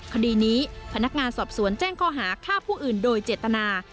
คดีนี้พนักงานสอบสวนแจ้งข้อหาฆ่าผู้อื่นโดยเจตนา